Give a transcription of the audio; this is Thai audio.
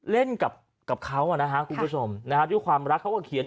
เล่นกับกับเขาอ่ะนะฮะคุณผู้ชมนะฮะด้วยความรักเขาก็เขียน